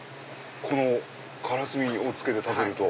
このカラスミをつけて食べると。